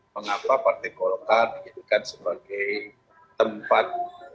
mengapa partai golkar dijadikan sebagai tempat